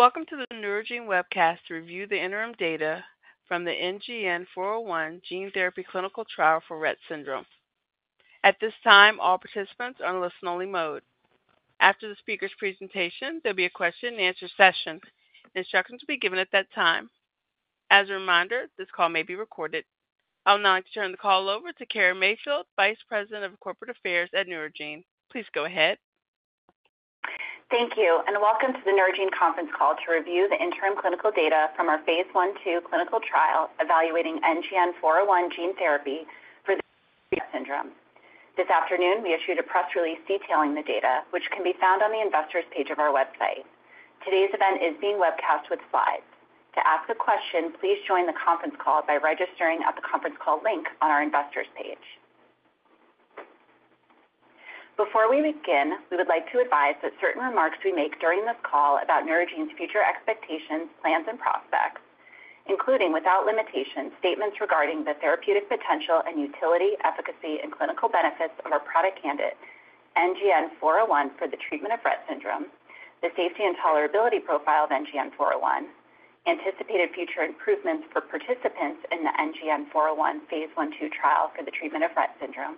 Welcome to the Neurogene webcast to review the interim data from the NGN-401 gene therapy clinical trial for Rett syndrome. At this time, all participants are in listen-only mode. After the speaker's presentation, there'll be a question-and-answer session. Instructions will be given at that time. As a reminder, this call may be recorded. I'll now turn the call over to Cara Mayfield, Vice President of Corporate Affairs at Neurogene. Please go ahead. Thank you, and welcome to the Neurogene conference call to review the interim clinical data from our phase I/II clinical trial evaluating NGN-401 gene therapy for Rett syndrome. This afternoon, we issued a press release detailing the data, which can be found on the investors' page of our website. Today's event is being webcast with slides. To ask a question, please join the conference call by registering at the conference call link on our investors' page. Before we begin, we would like to advise that certain remarks we make during this call about Neurogene's future expectations, plans, and prospects, including without limitations, statements regarding the therapeutic potential and utility, efficacy, and clinical benefits of our product candidate NGN-401 for the treatment of Rett syndrome, the safety and tolerability profile of NGN-401, anticipated future improvements for participants in the NGN-401 phase I/II trial for the treatment of Rett syndrome,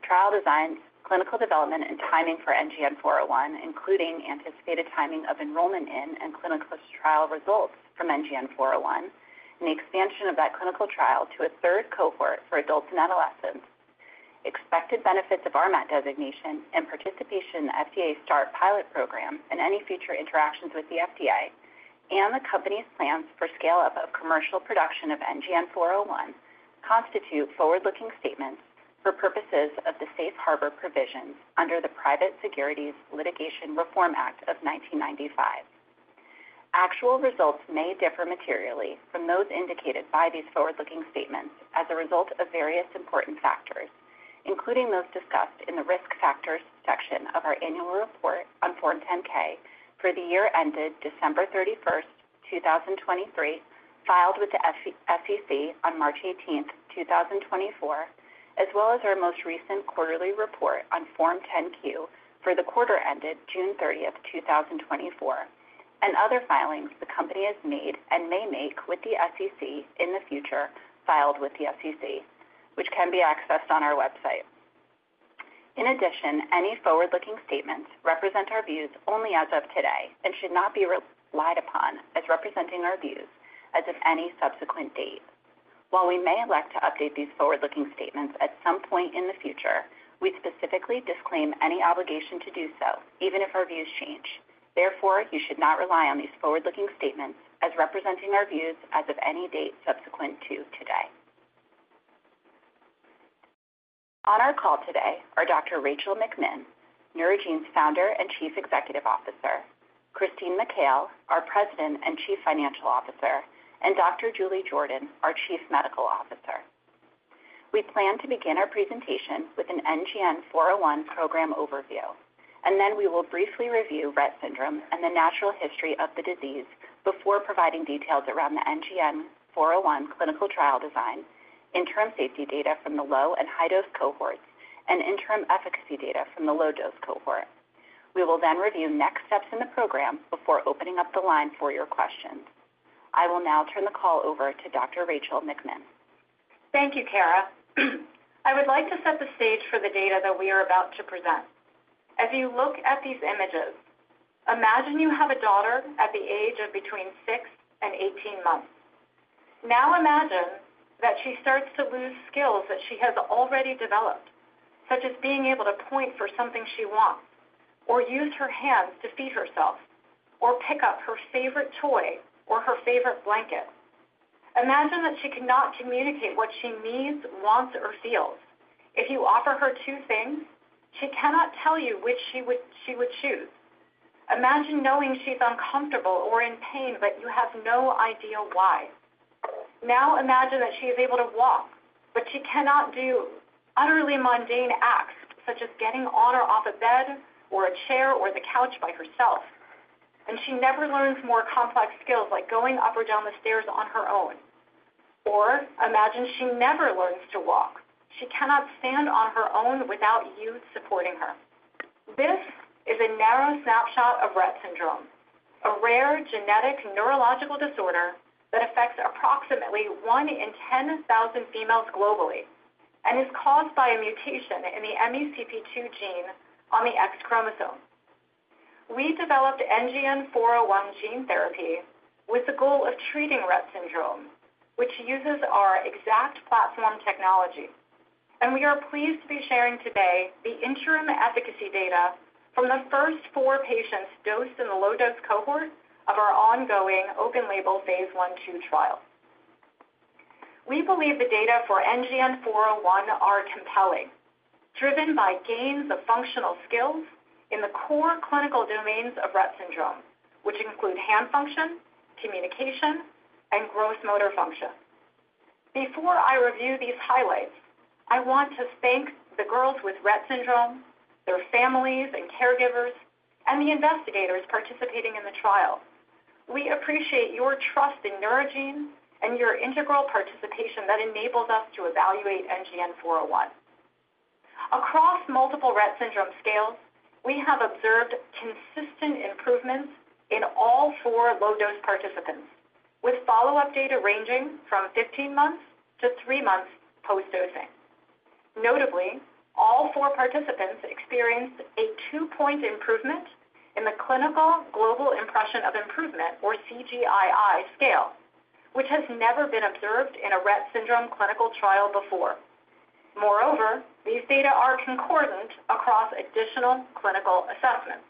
trial designs, clinical development and timing for NGN-401, including anticipated timing of enrollment in and clinical trial results from NGN-401, and the expansion of that clinical trial to a third cohort for adults and adolescents, expected benefits of RMAT designation and participation in the FDA START pilot program, and any future interactions with the FDA, and the company's plans for scale-up of commercial production of NGN-401 constitute forward-looking statements for purposes of the Safe Harbor provisions under the Private Securities Litigation Reform Act of 1995. Actual results may differ materially from those indicated by these forward-looking statements as a result of various important factors, including those discussed in the risk factors section of our annual report on Form 10-K for the year ended December 31, 2023, filed with the SEC on March 18, 2024, as well as our most recent quarterly report on Form 10-Q for the quarter ended June 30, 2024, and other filings the company has made and may make with the SEC in the future, which can be accessed on our website. In addition, any forward-looking statements represent our views only as of today and should not be relied upon as representing our views as of any subsequent date. While we may elect to update these forward-looking statements at some point in the future, we specifically disclaim any obligation to do so, even if our views change. Therefore, you should not rely on these forward-looking statements as representing our views as of any date subsequent to today. On our call today are Dr. Rachel McMinn, Neurogene's founder and Chief Executive Officer, Christine Mikail, our President and Chief Financial Officer, and Dr. Julie Jordan, our Chief Medical Officer. We plan to begin our presentation with an NGN-401 program overview, and then we will briefly review Rett syndrome and the natural history of the disease before providing details around the NGN-401 clinical trial design, interim safety data from the low and high-dose cohorts, and interim efficacy data from the low-dose cohort. We will then review next steps in the program before opening up the line for your questions. I will now turn the call over to Dr. Rachel McMinn. Thank you, Cara. I would like to set the stage for the data that we are about to present. As you look at these images, imagine you have a daughter at the age of between six and 18 months. Now imagine that she starts to lose skills that she has already developed, such as being able to point for something she wants or use her hands to feed herself or pick up her favorite toy or her favorite blanket. Imagine that she cannot communicate what she needs, wants, or feels. If you offer her two things, she cannot tell you which she would choose. Imagine knowing she's uncomfortable or in pain, but you have no idea why. Now imagine that she is able to walk, but she cannot do utterly mundane acts such as getting on or off a bed or a chair or the couch by herself, and she never learns more complex skills like going up or down the stairs on her own. Or imagine she never learns to walk. She cannot stand on her own without you supporting her. This is a narrow snapshot of Rett syndrome, a rare genetic neurological disorder that affects approximately 1 in 10,000 females globally and is caused by a mutation in the MECP2 gene on the X chromosome. We developed NGN-401 gene therapy with the goal of treating Rett syndrome, which uses our EXACT platform technology, and we are pleased to be sharing today the interim efficacy data from the first four patients dosed in the low-dose cohort of our ongoing open-label phase I/II trial. We believe the data for NGN-401 are compelling, driven by gains of functional skills in the core clinical domains of Rett syndrome, which include hand function, communication, and gross motor function. Before I review these highlights, I want to thank the girls with Rett syndrome, their families and caregivers, and the investigators participating in the trial. We appreciate your trust in Neurogene and your integral participation that enables us to evaluate NGN-401. Across multiple Rett syndrome scales, we have observed consistent improvements in all four low-dose participants, with follow-up data ranging from 15 months to three months post-dosing. Notably, all four participants experienced a two-point improvement in the Clinical Global Impression of Improvement, or CGI-I, scale, which has never been observed in a Rett syndrome clinical trial before. Moreover, these data are concordant across additional clinical assessments.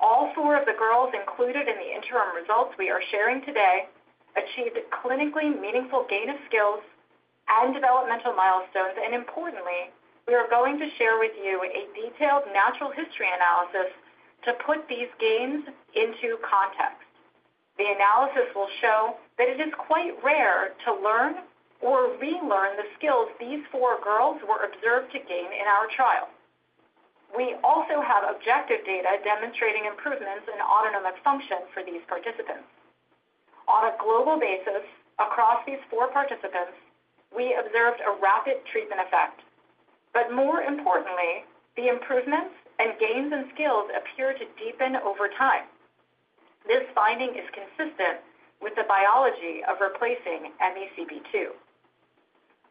All four of the girls included in the interim results we are sharing today achieved clinically meaningful gains of skills and developmental milestones, and importantly, we are going to share with you a detailed natural history analysis to put these gains into context. The analysis will show that it is quite rare to learn or relearn the skills these four girls were observed to gain in our trial. We also have objective data demonstrating improvements in autonomic function for these participants. On a global basis, across these four participants, we observed a rapid treatment effect, but more importantly, the improvements and gains in skills appear to deepen over time. This finding is consistent with the biology of replacing MECP2.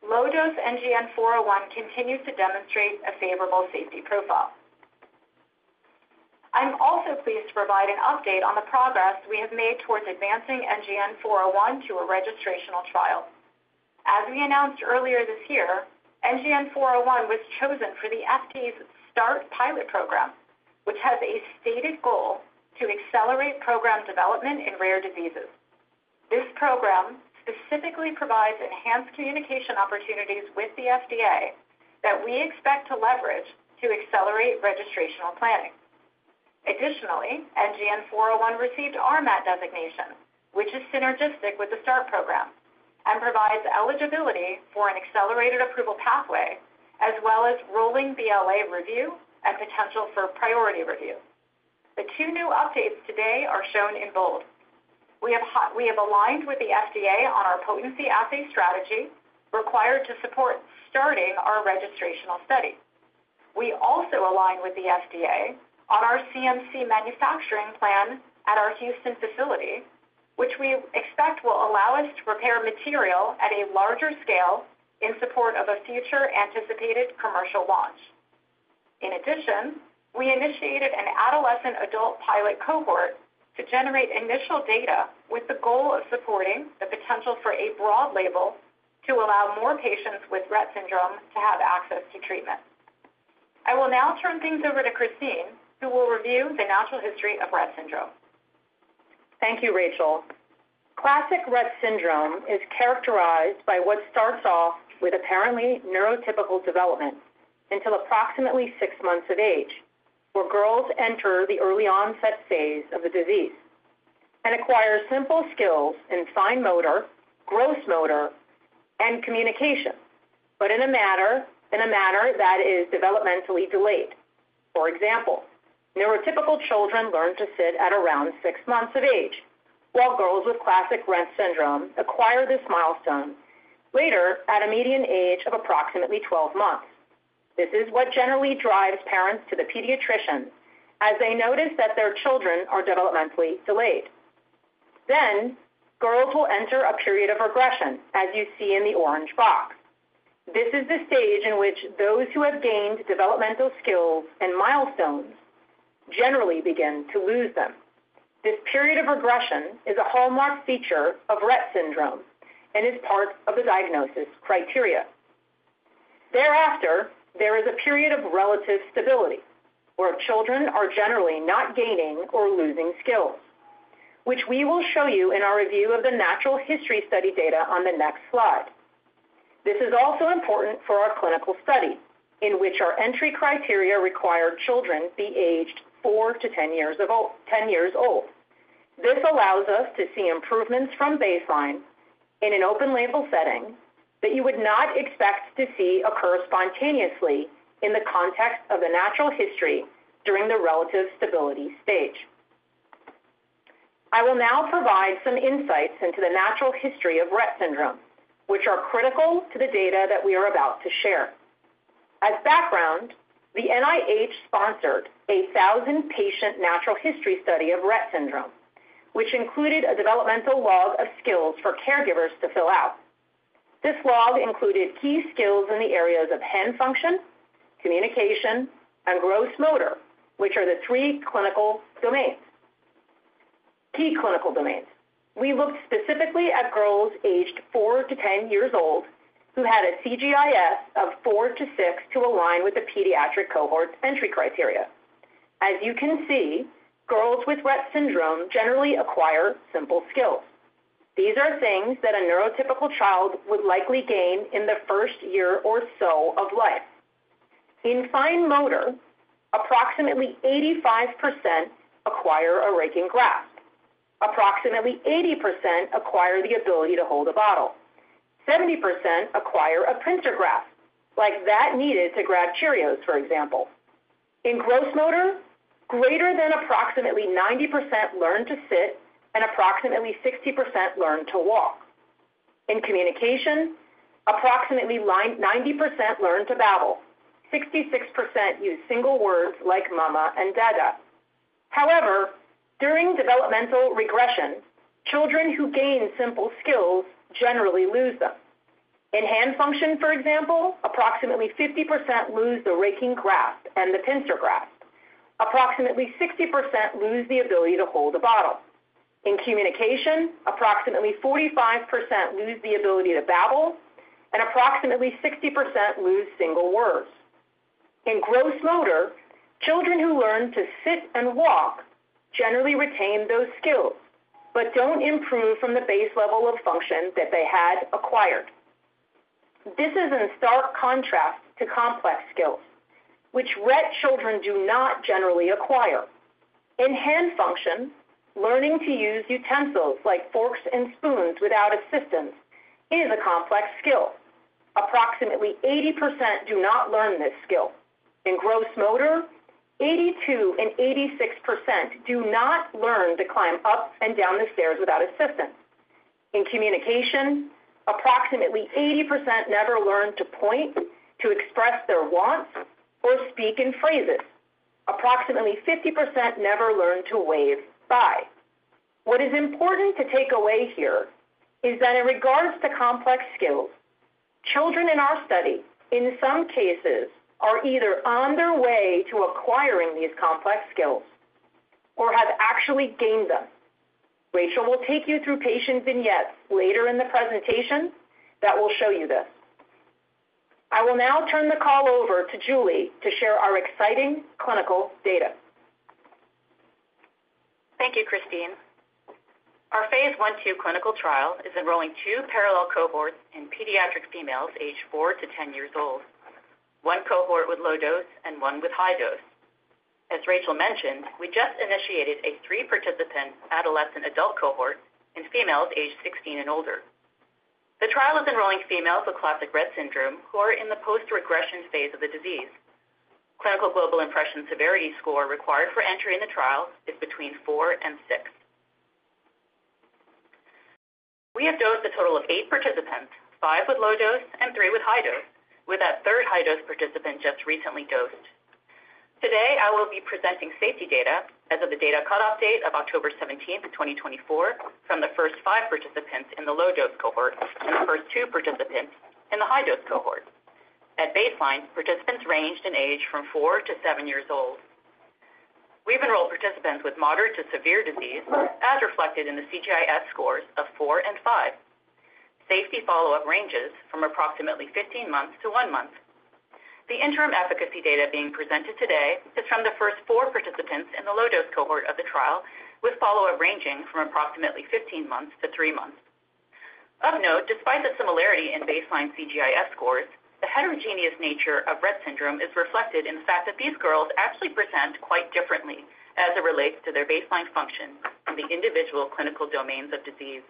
Low-dose NGN-401 continues to demonstrate a favorable safety profile. I'm also pleased to provide an update on the progress we have made towards advancing NGN-401 to a registrational trial. As we announced earlier this year, NGN-401 was chosen for the FDA's START pilot program, which has a stated goal to accelerate program development in rare diseases. This program specifically provides enhanced communication opportunities with the FDA that we expect to leverage to accelerate registrational planning. Additionally, NGN-401 received RMAT designation, which is synergistic with the START program and provides eligibility for an accelerated approval pathway as well as rolling BLA review and potential for priority review. The two new updates today are shown in bold. We have aligned with the FDA on our potency assay strategy required to support starting our registrational study. We also aligned with the FDA on our CMC manufacturing plan at our Houston facility, which we expect will allow us to prepare material at a larger scale in support of a future anticipated commercial launch. In addition, we initiated an adolescent adult pilot cohort to generate initial data with the goal of supporting the potential for a broad label to allow more patients with Rett syndrome to have access to treatment. I will now turn things over to Christine, who will review the natural history of Rett syndrome. Thank you, Rachel. Classic Rett syndrome is characterized by what starts off with apparently neurotypical development until approximately six months of age, where girls enter the early onset phase of the disease and acquire simple skills in fine motor, gross motor, and communication, but in a manner that is developmentally delayed. For example, neurotypical children learn to sit at around six months of age, while girls with classic Rett syndrome acquire this milestone later at a median age of approximately 12 months. This is what generally drives parents to the pediatrician as they notice that their children are developmentally delayed. Then girls will enter a period of regression, as you see in the orange box. This is the stage in which those who have gained developmental skills and milestones generally begin to lose them. This period of regression is a hallmark feature of Rett syndrome and is part of the diagnosis criteria. Thereafter, there is a period of relative stability where children are generally not gaining or losing skills, which we will show you in our review of the natural history study data on the next slide. This is also important for our clinical study in which our entry criteria required children be aged four to 10 years old. This allows us to see improvements from baseline in an open-label setting that you would not expect to see occur spontaneously in the context of the natural history during the relative stability stage. I will now provide some insights into the natural history of Rett syndrome, which are critical to the data that we are about to share. As background, the NIH sponsored a 1,000-patient natural history study of Rett syndrome, which included a developmental log of skills for caregivers to fill out. This log included key skills in the areas of hand function, communication, and gross motor, which are the three clinical domains. Key clinical domains. We looked specifically at girls aged 4 to 10 years old who had a CGI-S of 4 to 6 to align with the pediatric cohort entry criteria. As you can see, girls with Rett syndrome generally acquire simple skills. These are things that a neurotypical child would likely gain in the first year or so of life. In fine motor, approximately 85% acquire a raking grasp. Approximately 80% acquire the ability to hold a bottle. 70% acquire a pincer grasp like that needed to grab Cheerios, for example. In gross motor, greater than approximately 90% learn to sit and approximately 60% learn to walk. In communication, approximately 90% learn to babble. 66% use single words like mama and dada. However, during developmental regression, children who gain simple skills generally lose them. In hand function, for example, approximately 50% lose the raking grasp and the pincer grasp. Approximately 60% lose the ability to hold a bottle. In communication, approximately 45% lose the ability to babble and approximately 60% lose single words. In gross motor, children who learn to sit and walk generally retain those skills but don't improve from the base level of function that they had acquired. This is in stark contrast to complex skills, which Rett children do not generally acquire. In hand function, learning to use utensils like forks and spoons without assistance is a complex skill. Approximately 80% do not learn this skill. In gross motor, 82% and 86% do not learn to climb up and down the stairs without assistance. In communication, approximately 80% never learn to point, to express their wants, or speak in phrases. Approximately 50% never learn to wave bye. What is important to take away here is that in regards to complex skills, children in our study, in some cases, are either on their way to acquiring these complex skills or have actually gained them. Rachel will take you through patient vignettes later in the presentation that will show you this. I will now turn the call over to Julie to share our exciting clinical data. Thank you, Christine. Our phase I/II clinical trial is enrolling two parallel cohorts in pediatric females aged four to 10 years old, one cohort with low-dose and one with high dose. As Rachel mentioned, we just initiated a three-participant adolescent adult cohort in females aged 16 and older. The trial is enrolling females with classic Rett syndrome who are in the post-regression phase of the disease. Clinical Global Impression Severity score required for entry in the trial is between four and six. We have dosed a total of eight participants, five with low-dose and three with high dose, with that third high-dose participant just recently dosed. Today, I will be presenting safety data as of the data cut-off date of October 17, 2024, from the first five participants in the low-dose cohort and the first two participants in the high-dose cohort. At baseline, participants ranged in age from 4 to 7 years old. We've enrolled participants with moderate to severe disease, as reflected in the CGI-S scores of 4 and 5. Safety follow-up ranges from approximately 15 months to one month. The interim efficacy data being presented today is from the first four participants in the low-dose cohort of the trial, with follow-up ranging from approximately 15 months to three months. Of note, despite the similarity in baseline CGI-S scores, the heterogeneous nature of Rett syndrome is reflected in the fact that these girls actually present quite differently as it relates to their baseline function in the individual clinical domains of disease.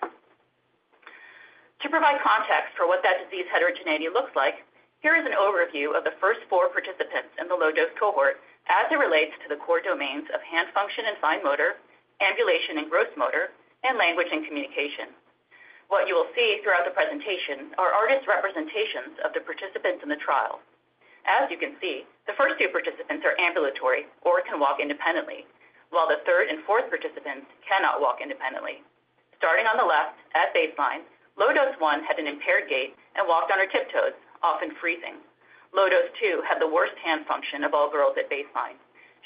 To provide context for what that disease heterogeneity looks like, here is an overview of the first four participants in the low-dose cohort as it relates to the core domains of hand function and fine motor, ambulation and gross motor, and language and communication. What you will see throughout the presentation are artist representations of the participants in the trial. As you can see, the first two participants are ambulatory or can walk independently, while the third and fourth participants cannot walk independently. Starting on the left at baseline, low-dose one had an impaired gait and walked on her tiptoes, often freezing. low-dose two had the worst hand function of all girls at baseline.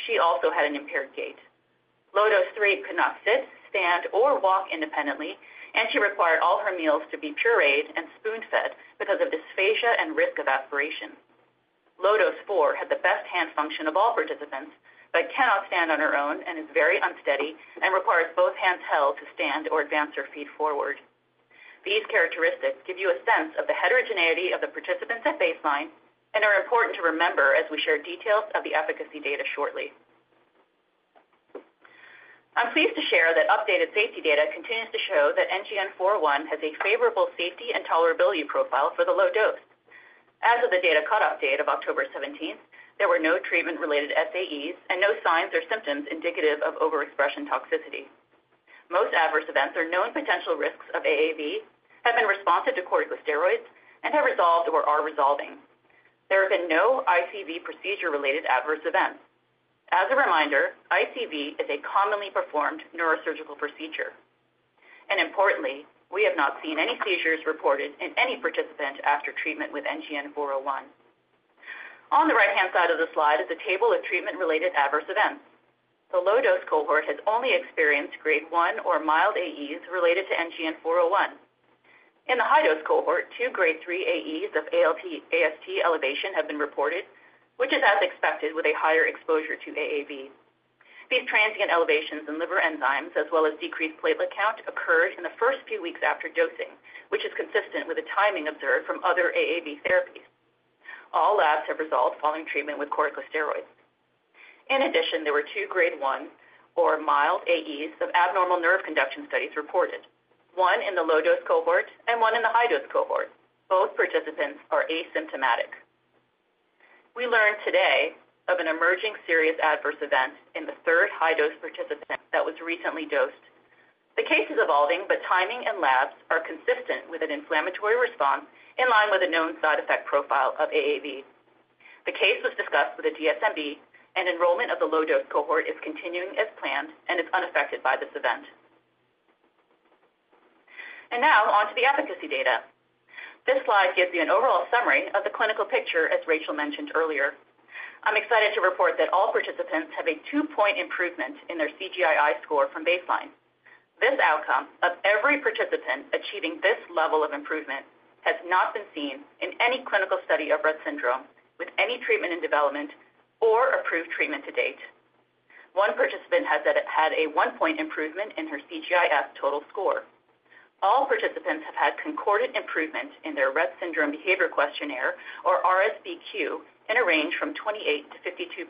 She also had an impaired gait. low-dose three could not sit, stand, or walk independently, and she required all her meals to be pureed and spoon-fed because of dysphagia and risk of aspiration. low-dose four had the best hand function of all participants but cannot stand on her own and is very unsteady and requires both hands held to stand or advance her feet forward. These characteristics give you a sense of the heterogeneity of the participants at baseline and are important to remember as we share details of the efficacy data shortly. I'm pleased to share that updated safety data continues to show that NGN-401 has a favorable safety and tolerability profile for the low-dose. As of the data cut-off date of October 17, there were no treatment-related SAEs and no signs or symptoms indicative of overexpression toxicity. Most adverse events or known potential risks of AAV have been responsive to corticosteroids and have resolved or are resolving. There have been no ICV procedure-related adverse events. As a reminder, ICV is a commonly performed neurosurgical procedure. And importantly, we have not seen any seizures reported in any participant after treatment with NGN-401. On the right-hand side of the slide is a table of treatment-related adverse events. The low-dose cohort has only experienced Grade 1 or mild AEs related to NGN-401. In the high-dose cohort, two Grade 3 AEs of ALT/AST elevation have been reported, which is as expected with a higher exposure to AAV. These transient elevations in liver enzymes, as well as decreased platelet count, occurred in the first few weeks after dosing, which is consistent with the timing observed from other AAV therapies. All labs have resolved following treatment with corticosteroids. In addition, there were two Grade 1 or mild AEs of abnormal nerve conduction studies reported, one in the low-dose cohort and one in the high-dose cohort. Both participants are asymptomatic. We learned today of an emerging serious adverse event in the third high-dose participant that was recently dosed. The case is evolving, but timing and labs are consistent with an inflammatory response in line with a known side effect profile of AAV. The case was discussed with a DSMB, and enrollment of the low-dose cohort is continuing as planned and is unaffected by this event. And now on to the efficacy data. This slide gives you an overall summary of the clinical picture, as Rachel mentioned earlier. I'm excited to report that all participants have a two-point improvement in their CGI-I score from baseline. This outcome of every participant achieving this level of improvement has not been seen in any clinical study of Rett syndrome with any treatment in development or approved treatment to date. One participant has had a one-point improvement in her CGI-S total score. All participants have had concordant improvement in their Rett Syndrome Behavior Questionnaire, or RSBQ, in a range from 28% to 52%.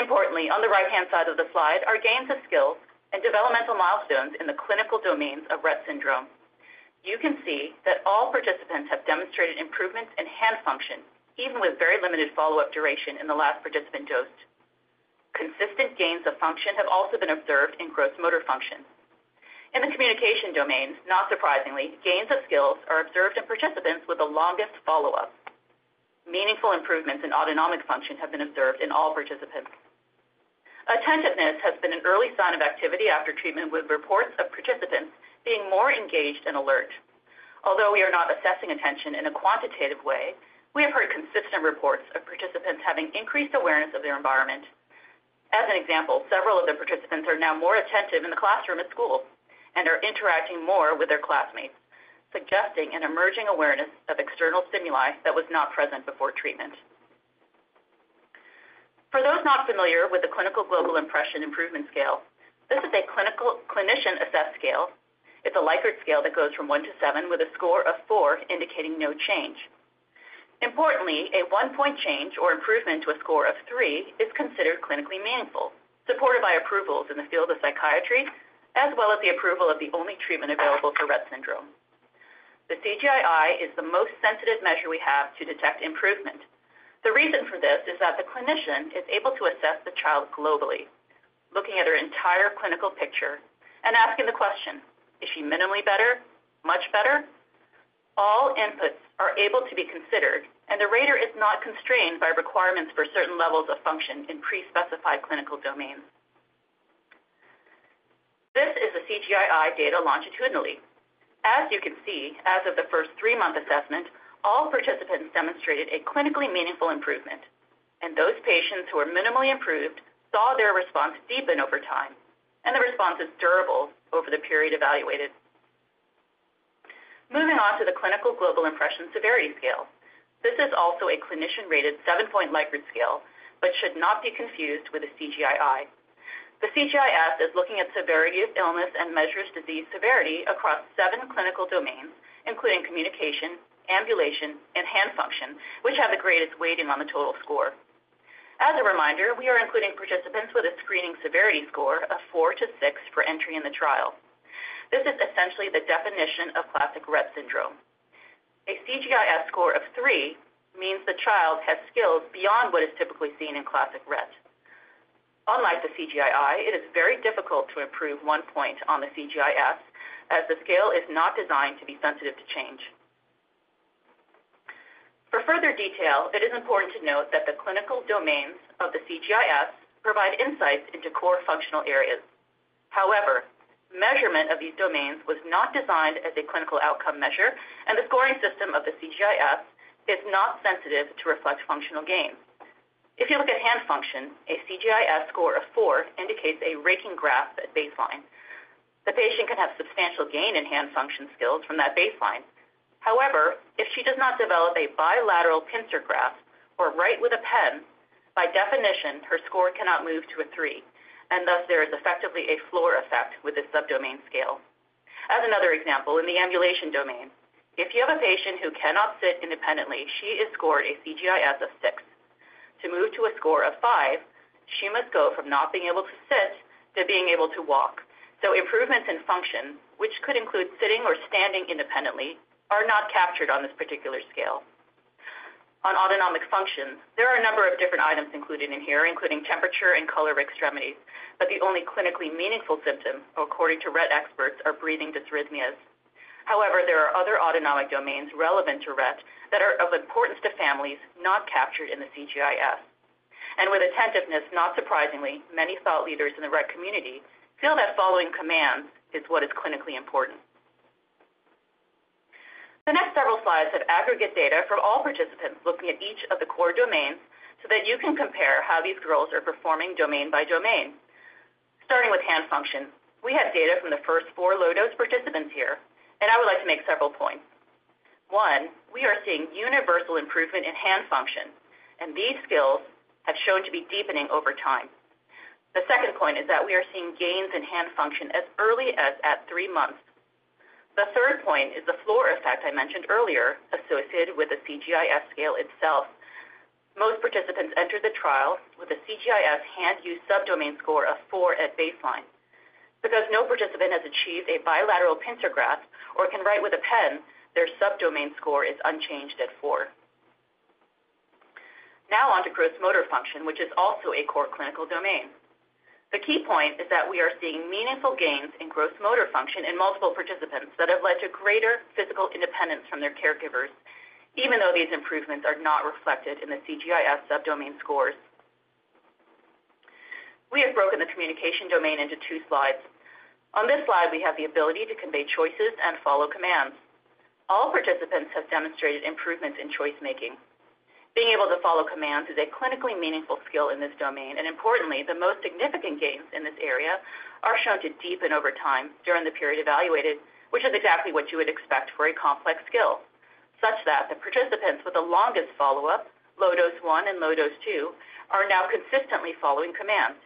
Importantly, on the right-hand side of the slide are gains of skills and developmental milestones in the clinical domains of Rett syndrome. You can see that all participants have demonstrated improvements in hand function, even with very limited follow-up duration in the last participant dosed. Consistent gains of function have also been observed in gross motor function. In the communication domains, not surprisingly, gains of skills are observed in participants with the longest follow-up. Meaningful improvements in autonomic function have been observed in all participants. Attentiveness has been an early sign of activity after treatment, with reports of participants being more engaged and alert. Although we are not assessing attention in a quantitative way, we have heard consistent reports of participants having increased awareness of their environment. As an example, several of the participants are now more attentive in the classroom at school and are interacting more with their classmates, suggesting an emerging awareness of external stimuli that was not present before treatment. For those not familiar with the clinical global impression improvement scale, this is a clinician-assessed scale. It's a Likert scale that goes from one to seven, with a score of four indicating no change. Importantly, a one-point change or improvement to a score of three is considered clinically meaningful, supported by approvals in the field of psychiatry, as well as the approval of the only treatment available for Rett syndrome. The CGI-I is the most sensitive measure we have to detect improvement. The reason for this is that the clinician is able to assess the child globally, looking at her entire clinical picture and asking the question, "Is she minimally better, much better?" All inputs are able to be considered, and the rater is not constrained by requirements for certain levels of function in pre-specified clinical domains. This is the CGI-I data longitudinally. As you can see, as of the first three-month assessment, all participants demonstrated a clinically meaningful improvement, and those patients who are minimally improved saw their response deepen over time, and the response is durable over the period evaluated. Moving on to the clinical global impression severity scale. This is also a clinician-rated 7-point Likert scale, but should not be confused with a CGI-I. The CGI-S is looking at severity of illness and measures disease severity across seven clinical domains, including communication, ambulation, and hand function, which have the greatest weighting on the total score. As a reminder, we are including participants with a screening severity score of 4 to 6 for entry in the trial. This is essentially the definition of classic Rett syndrome. A CGI-S score of 3 means the child has skills beyond what is typically seen in classic Rett. Unlike the CGI-I, it is very difficult to improve one point on the CGI-S, as the scale is not designed to be sensitive to change. For further detail, it is important to note that the clinical domains of the CGI-S provide insights into core functional areas. However, measurement of these domains was not designed as a clinical outcome measure, and the scoring system of the CGI-S is not sensitive to reflect functional gains. If you look at hand function, a CGI-S score of four indicates a raking grasp at baseline. The patient can have substantial gain in hand function skills from that baseline. However, if she does not develop a bilateral pincer grasp or write with a pen, by definition, her score cannot move to a three, and thus there is effectively a floor effect with the subdomain scale. As another example, in the ambulation domain, if you have a patient who cannot sit independently, she is scored a CGI-S of six. To move to a score of five, she must go from not being able to sit to being able to walk. So improvements in function, which could include sitting or standing independently, are not captured on this particular scale. On autonomic function, there are a number of different items included in here, including temperature and color extremities, but the only clinically meaningful symptom, according to Rett experts, are breathing dysrhythmias. However, there are other autonomic domains relevant to Rett that are of importance to families, not captured in the CGI-S. And with attentiveness, not surprisingly, many thought leaders in the Rett community feel that following commands is what is clinically important. The next several slides have aggregate data from all participants looking at each of the core domains so that you can compare how these girls are performing domain by domain. Starting with hand function, we have data from the first four low-dose participants here, and I would like to make several points. One, we are seeing universal improvement in hand function, and these skills have shown to be deepening over time. The second point is that we are seeing gains in hand function as early as at three months. The third point is the floor effect I mentioned earlier associated with the CGI-S scale itself. Most participants entered the trial with a CGI-S hand use subdomain score of four at baseline. Because no participant has achieved a bilateral pincer grasp or can write with a pen, their subdomain score is unchanged at four. Now on to gross motor function, which is also a core clinical domain. The key point is that we are seeing meaningful gains in gross motor function in multiple participants that have led to greater physical independence from their caregivers, even though these improvements are not reflected in the CGI-S subdomain scores. We have broken the communication domain into two slides. On this slide, we have the ability to convey choices and follow commands. All participants have demonstrated improvements in choice-making. Being able to follow commands is a clinically meaningful skill in this domain, and importantly, the most significant gains in this area are shown to deepen over time during the period evaluated, which is exactly what you would expect for a complex skill, such that the participants with the longest follow-up, low-dose one and low-dose two, are now consistently following commands.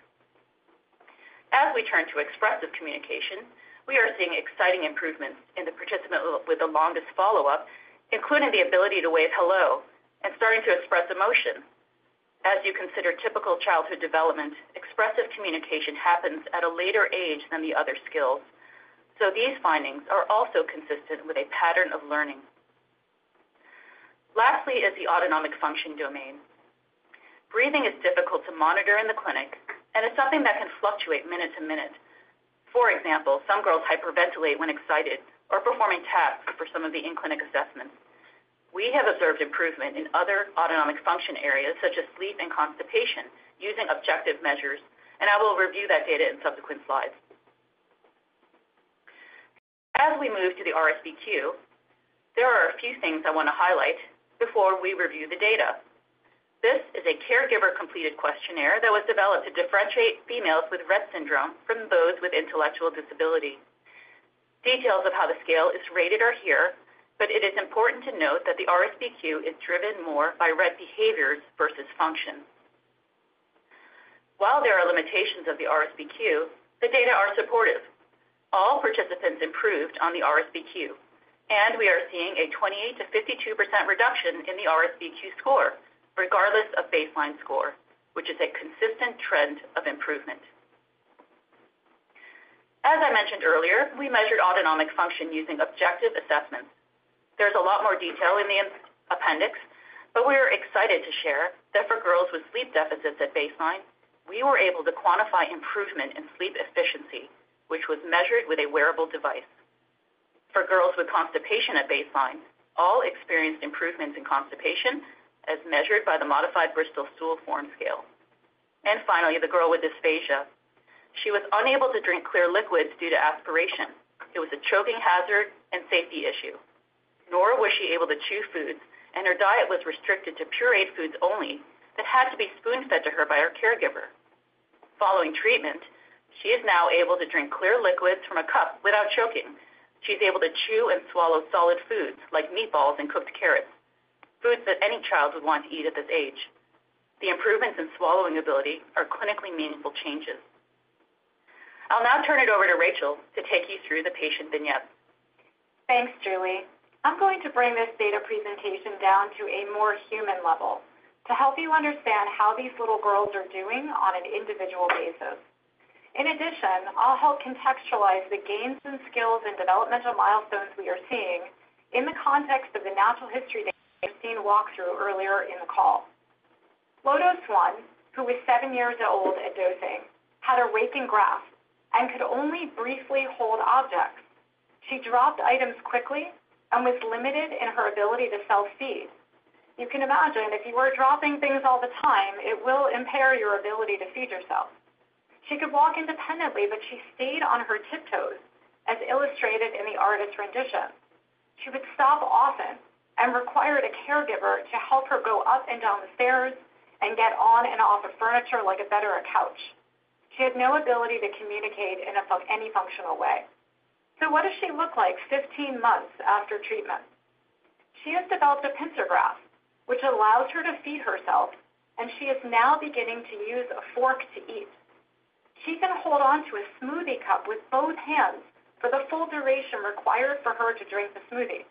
As we turn to expressive communication, we are seeing exciting improvements in the participant with the longest follow-up, including the ability to wave hello and starting to express emotion. As you consider typical childhood development, expressive communication happens at a later age than the other skills, so these findings are also consistent with a pattern of learning. Lastly is the autonomic function domain. Breathing is difficult to monitor in the clinic, and it's something that can fluctuate minute to minute. For example, some girls hyperventilate when excited or performing taps for some of the in-clinic assessments. We have observed improvement in other autonomic function areas, such as sleep and constipation, using objective measures, and I will review that data in subsequent slides. As we move to the RSBQ, there are a few things I want to highlight before we review the data. This is a caregiver-completed questionnaire that was developed to differentiate females with Rett syndrome from those with intellectual disability. Details of how the scale is rated are here, but it is important to note that the RSBQ is driven more by Rett behaviors versus function. While there are limitations of the RSBQ, the data are supportive. All participants improved on the RSBQ, and we are seeing a 28%-52% reduction in the RSBQ score, regardless of baseline score, which is a consistent trend of improvement. As I mentioned earlier, we measured autonomic function using objective assessments. There's a lot more detail in the appendix, but we are excited to share that for girls with sleep deficits at baseline, we were able to quantify improvement in sleep efficiency, which was measured with a wearable device. For girls with constipation at baseline, all experienced improvements in constipation as measured by the modified Bristol Stool Form Scale. Finally, the girl with dysphagia. She was unable to drink clear liquids due to aspiration. It was a choking hazard and safety issue. Nor was she able to chew foods, and her diet was restricted to pureed foods only that had to be spoon-fed to her by her caregiver. Following treatment, she is now able to drink clear liquids from a cup without choking. She's able to chew and swallow solid foods like meatballs and cooked carrots, foods that any child would want to eat at this age. The improvements in swallowing ability are clinically meaningful changes. I'll now turn it over to Rachel to take you through the patient vignette. Thanks, Julie. I'm going to bring this data presentation down to a more human level to help you understand how these little girls are doing on an individual basis. In addition, I'll help contextualize the gains and skills and developmental milestones we are seeing in the context of the natural history that you've seen walk through earlier in the call. low-dose one, who was seven years old at dosing, had a raking grasp and could only briefly hold objects. She dropped items quickly and was limited in her ability to self-feed. You can imagine, if you were dropping things all the time, it will impair your ability to feed yourself. She could walk independently, but she stayed on her tiptoes, as illustrated in the artist's rendition. She would stop often and required a caregiver to help her go up and down the stairs and get on and off of furniture like a bed or a couch. She had no ability to communicate in any functional way. So what does she look like 15 months after treatment? She has developed a pincer grasp, which allows her to feed herself, and she is now beginning to use a fork to eat. She can hold onto a smoothie cup with both hands for the full duration required for her to drink the smoothie.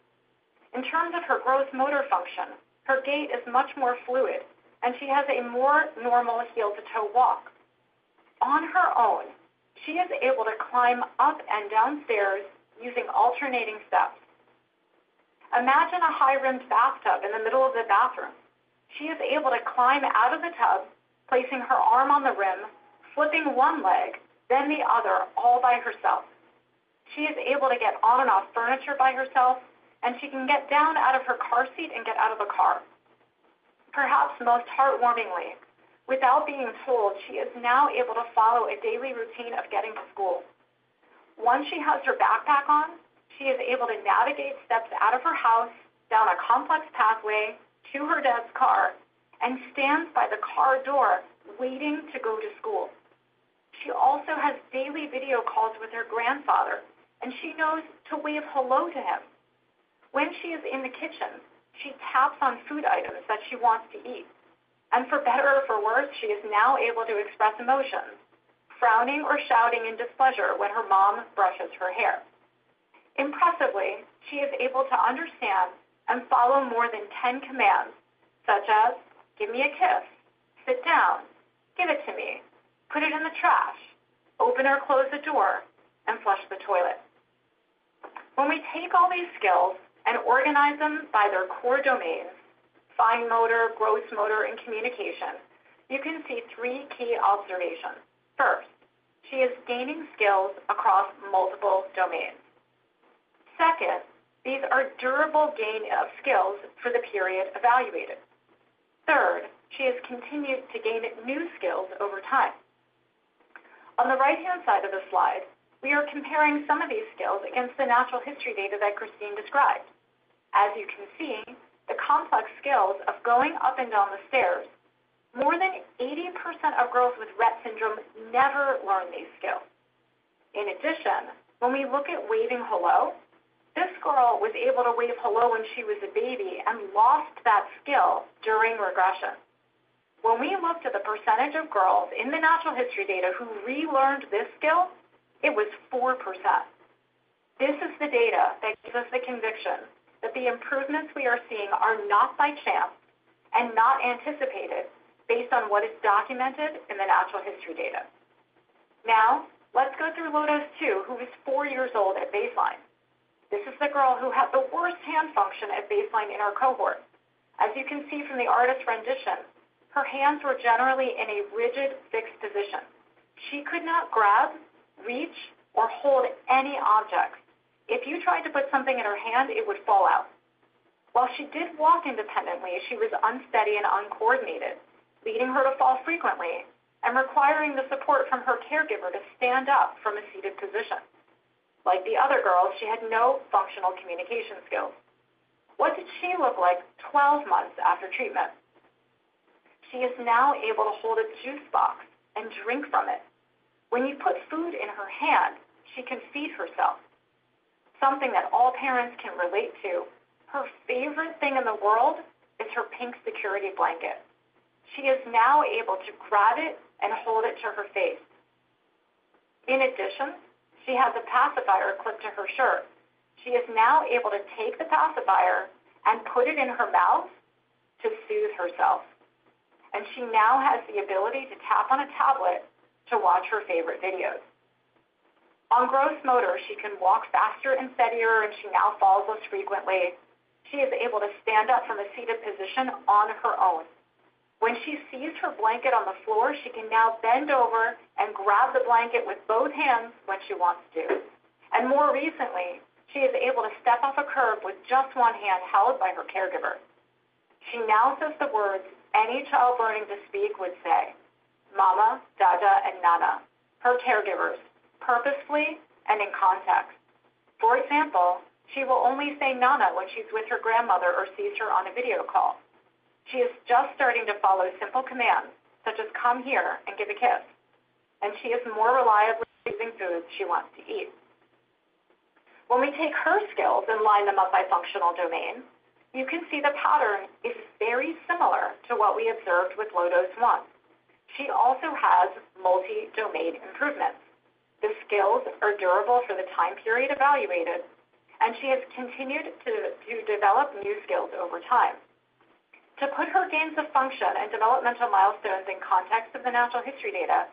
In terms of her gross motor function, her gait is much more fluid, and she has a more normal heel-to-toe walk. On her own, she is able to climb up and down stairs using alternating steps. Imagine a high-rimmed bathtub in the middle of the bathroom. She is able to climb out of the tub, placing her arm on the rim, flipping one leg, then the other, all by herself. She is able to get on and off furniture by herself, and she can get down out of her car seat and get out of the car. Perhaps most heartwarmingly, without being told, she is now able to follow a daily routine of getting to school. Once she has her backpack on, she is able to navigate steps out of her house, down a complex pathway to her dad's car, and stands by the car door waiting to go to school. She also has daily video calls with her grandfather, and she knows to wave hello to him. When she is in the kitchen, she taps on food items that she wants to eat. For better or for worse, she is now able to express emotions, frowning or shouting in displeasure when her mom brushes her hair. Impressively, she is able to understand and follow more than 10 commands, such as, "Give me a kiss," "Sit down," "Give it to me," "Put it in the trash," "Open or close the door," and "Flush the toilet." When we take all these skills and organize them by their core domains, fine motor, gross motor, and communication, you can see three key observations. First, she is gaining skills across multiple domains. Second, these are durable gains of skills for the period evaluated. Third, she has continued to gain new skills over time. On the right-hand side of the slide, we are comparing some of these skills against the natural history data that Christine described. As you can see, the complex skills of going up and down the stairs, more than 80% of girls with Rett syndrome never learn these skills. In addition, when we look at waving hello, this girl was able to wave hello when she was a baby and lost that skill during regression. When we looked at the percentage of girls in the natural history data who relearned this skill, it was 4%. This is the data that gives us the conviction that the improvements we are seeing are not by chance and not anticipated based on what is documented in the natural history data. Now, let's go through low-dose two, who is four years old at baseline. This is the girl who had the worst hand function at baseline in our cohort. As you can see from the artist's rendition, her hands were generally in a rigid fixed position. She could not grab, reach, or hold any objects. If you tried to put something in her hand, it would fall out. While she did walk independently, she was unsteady and uncoordinated, leading her to fall frequently and requiring the support from her caregiver to stand up from a seated position. Like the other girls, she had no functional communication skills. What did she look like 12 months after treatment? She is now able to hold a juice box and drink from it. When you put food in her hand, she can feed herself, something that all parents can relate to. Her favorite thing in the world is her pink security blanket. She is now able to grab it and hold it to her face. In addition, she has a pacifier clipped to her shirt. She is now able to take the pacifier and put it in her mouth to soothe herself. She now has the ability to tap on a tablet to watch her favorite videos. On gross motor, she can walk faster and steadier, and she now falls less frequently. She is able to stand up from a seated position on her own. When she sees her blanket on the floor, she can now bend over and grab the blanket with both hands when she wants to. And more recently, she is able to step off a curb with just one hand held by her caregiver. She now says the words any child learning to speak would say: "Mama, Dada, and Nana," her caregivers, purposefully and in context. For example, she will only say "Nana" when she's with her grandmother or sees her on a video call. She is just starting to follow simple commands, such as "Come here" and "Give a kiss," and she is more reliably choosing foods she wants to eat. When we take her skills and line them up by functional domain, you can see the pattern is very similar to what we observed with low-dose one. She also has multi-domain improvements. The skills are durable for the time period evaluated, and she has continued to develop new skills over time. To put her gains of function and developmental milestones in context of the natural history data,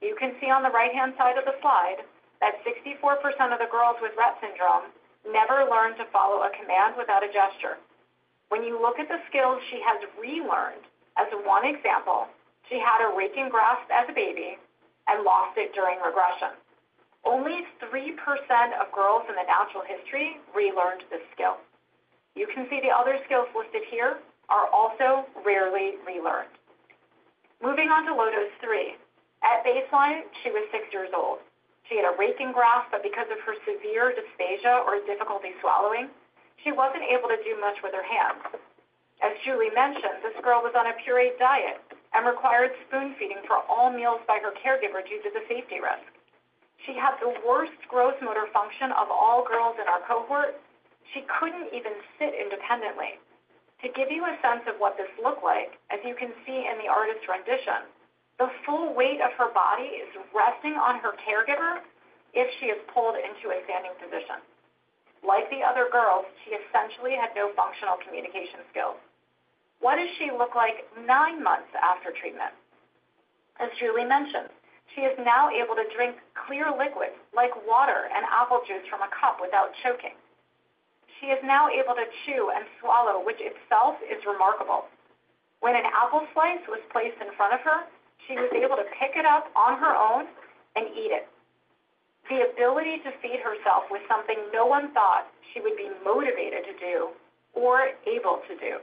you can see on the right-hand side of the slide that 64% of the girls with Rett syndrome never learned to follow a command without a gesture. When you look at the skills she has relearned, as one example, she had a raking grasp as a baby and lost it during regression. Only 3% of girls in the natural history relearned this skill. You can see the other skills listed here are also rarely relearned. Moving on to low-dose three. At baseline, she was six years old. She had a raking grasp, but because of her severe dysphagia or difficulty swallowing, she wasn't able to do much with her hands. As Julie mentioned, this girl was on a pureed diet and required spoon-feeding for all meals by her caregiver due to the safety risk. She had the worst gross motor function of all girls in our cohort. She couldn't even sit independently. To give you a sense of what this looked like, as you can see in the artist's rendition, the full weight of her body is resting on her caregiver if she is pulled into a standing position. Like the other girls, she essentially had no functional communication skills. What does she look like nine months after treatment? As Julie mentioned, she is now able to drink clear liquids like water and apple juice from a cup without choking. She is now able to chew and swallow, which itself is remarkable. When an apple slice was placed in front of her, she was able to pick it up on her own and eat it. The ability to feed herself was something no one thought she would be motivated to do or able to do.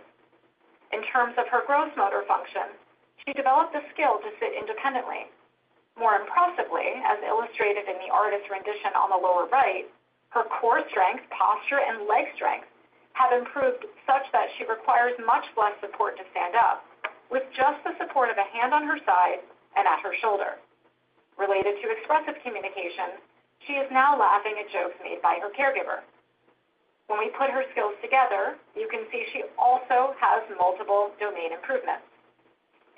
In terms of her gross motor function, she developed the skill to sit independently. More impressively, as illustrated in the artist's rendition on the lower right, her core strength, posture, and leg strength have improved such that she requires much less support to stand up, with just the support of a hand on her side and at her shoulder. Related to expressive communication, she is now laughing at jokes made by her caregiver. When we put her skills together, you can see she also has multiple domain improvements.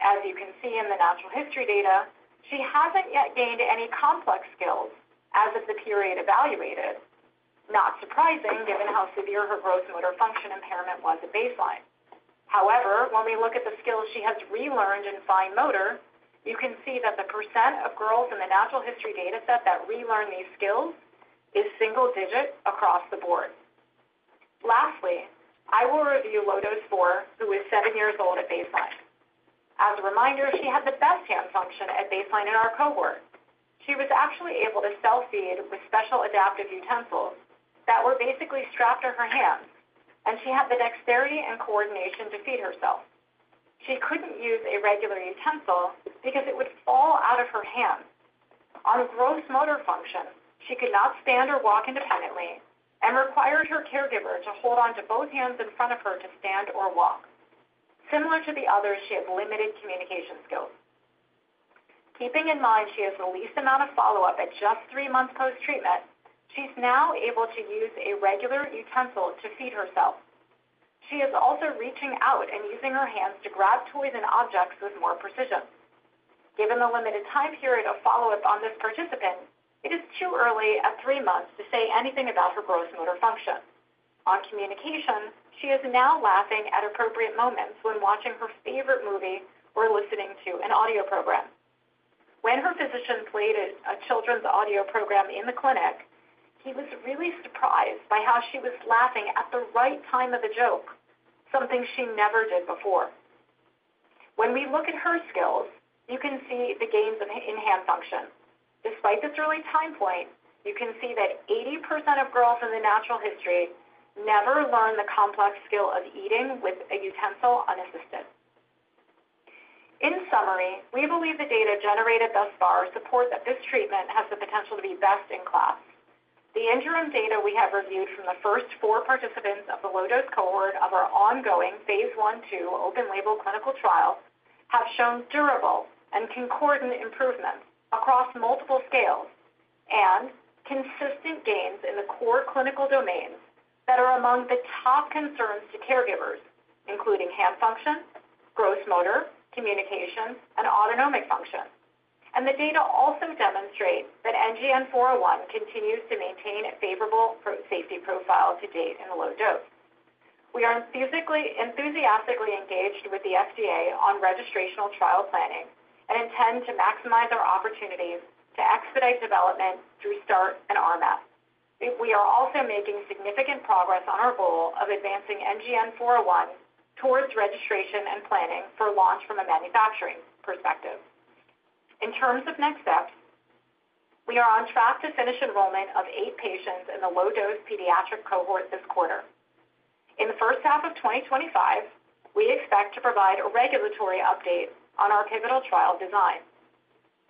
As you can see in the natural history data, she hasn't yet gained any complex skills as of the period evaluated, not surprising given how severe her gross motor function impairment was at baseline. However, when we look at the skills she has relearned in fine motor, you can see that the percent of girls in the natural history data set that relearn these skills is single-digit across the board. Lastly, I will review low-dose four, who is seven years old at baseline. As a reminder, she had the best hand function at baseline in our cohort. She was actually able to self-feed with special adaptive utensils that were basically strapped to her hands, and she had the dexterity and coordination to feed herself. She couldn't use a regular utensil because it would fall out of her hands. On gross motor function, she could not stand or walk independently and required her caregiver to hold onto both hands in front of her to stand or walk. Similar to the others, she had limited communication skills. Keeping in mind she has the least amount of follow-up at just three months post-treatment, she's now able to use a regular utensil to feed herself. She is also reaching out and using her hands to grab toys and objects with more precision. Given the limited time period of follow-up on this participant, it is too early at three months to say anything about her gross motor function. On communication, she is now laughing at appropriate moments when watching her favorite movie or listening to an audio program. When her physician played a children's audio program in the clinic, he was really surprised by how she was laughing at the right time of the joke, something she never did before. When we look at her skills, you can see the gains in hand function. Despite this early time point, you can see that 80% of girls in the natural history never learn the complex skill of eating with a utensil unassisted. In summary, we believe the data generated thus far support that this treatment has the potential to be best in class. The interim data we have reviewed from the first four participants of the low-dose cohort of our ongoing phase I/II open-label clinical trial have shown durable and concordant improvements across multiple scales and consistent gains in the core clinical domains that are among the top concerns to caregivers, including hand function, gross motor, communication, and autonomic function, and the data also demonstrate that NGN-401 continues to maintain a favorable safety profile to date in low-dose. We are enthusiastically engaged with the FDA on registrational trial planning and intend to maximize our opportunities to expedite development through START and RMAT. We are also making significant progress on our goal of advancing NGN-401 towards registration and planning for launch from a manufacturing perspective. In terms of next steps, we are on track to finish enrollment of eight patients in the low-dose pediatric cohort this quarter. In the first half of 2025, we expect to provide a regulatory update on our pivotal trial design.